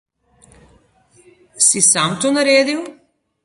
Si sam to naredil?